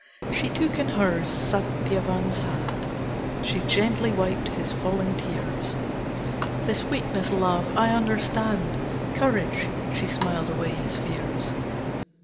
She took in hers Satyavan's hand, She gently wiped his falling tears, "This weakness, Love, I understand! Courage!" She smiled away his fears.